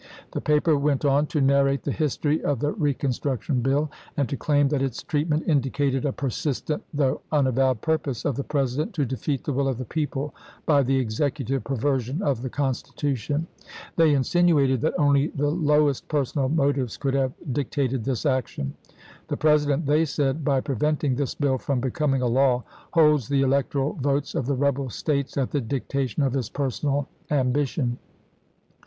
The paper went on to narrate the history of the reconstruction bill, and to claim that its treatment indicated a persistent though unavowed purpose of the President to de feat the will of the people by the Executive per version of the Constitution. They insinuated that only the lowest personal motives could have dic tated this action :" The President," they said, " by preventing this bill from becoming a law, holds the electoral votes of the rebel States at the dictation of his personal ambition.